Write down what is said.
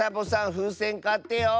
ふうせんかってよ。